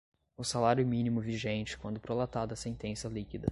o salário-mínimo vigente quando prolatada sentença líquida